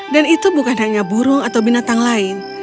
dan itu bukan hanya burung atau binatang lain